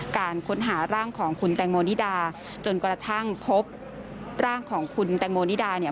การค้นหาร่างของคุณแตงโมนิดาจนกระทั่งพบร่างของคุณแตงโมนิดาเนี่ย